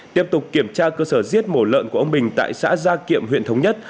tiếp tục kiểm tra cơ sở giết mổ lợn của ông bình tại xã gia kiệm huyện thống nhất